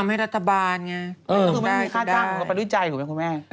คือไม่ได้มีค่าตั้งของปริศจัยหรอคุณแม่